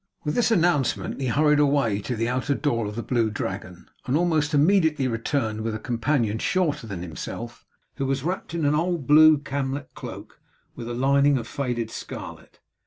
With this announcement he hurried away to the outer door of the Blue Dragon, and almost immediately returned with a companion shorter than himself, who was wrapped in an old blue camlet cloak with a lining of faded scarlet.